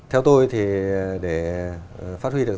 theo tôi thì để phát huy được